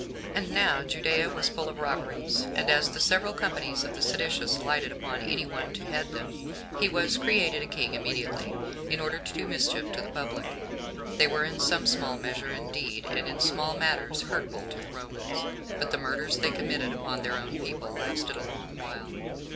8. And now Judea was full of robberies; and as the several companies of the seditious lighted upon any one to head them, he was created a king immediately, in order to do mischief to the public. They were in some small measure indeed, and in small matters, hurtful to the Romans; but the murders they committed upon their own people lasted a long while.